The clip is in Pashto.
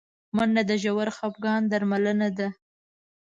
منډه د ژور خفګان درملنه ده